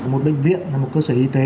một bệnh viện là một cơ sở y tế